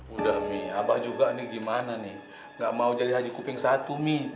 udah mie abah juga nih gimana nih gak mau jadi haji kuping satu mi